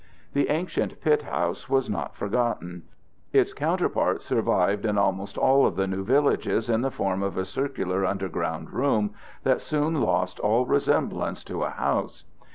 The ancient pithouse was not forgotten. Its counterpart survived in almost all of the new villages in the form of a circular underground room that soon lost all resemblance to a house.